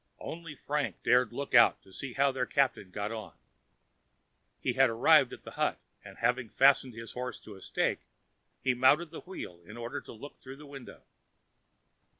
Only Frank dared look out to see how their captain got on. He had arrived at the hut, and, having fastened his horse to a stake, he mounted the wheel in order to look through the window.